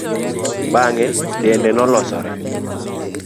Bang'e dende nolosore.